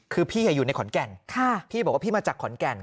คือพี่อยู่ในขอนแก่นพี่บอกว่าพี่มาจากขอนแก่น